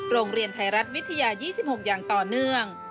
โรงเรียนไทยรัฐวิทยา๒๖อย่างต่อเนื่อง